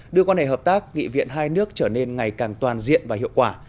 đưa quan hệ hợp tác nghị viện hai nước trở nên ngày càng toàn diện và hiệu quả